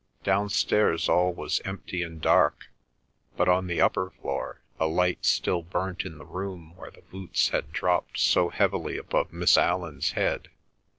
Downstairs all was empty and dark; but on the upper floor a light still burnt in the room where the boots had dropped so heavily above Miss Allan's head.